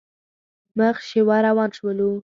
مخ شېوه روان شولو.